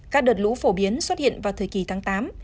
các đợt lũ phổ biến xuất hiện vào thời kỳ tháng tám